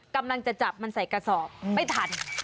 กำลังจะจับมันใส่กระสอบไม่ทัน